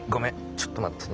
ちょっと待ってね。